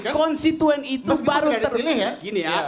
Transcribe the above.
konstituensi itu baru terlihat